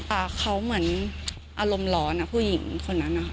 แต่เขาเหมือนอารมณ์ร้อนผู้หญิงคนนั้น